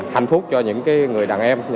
hạnh phúc cho những người đàn em